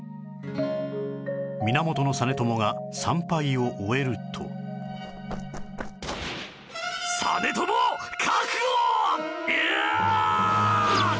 源実朝が参拝を終えるとやあーっ！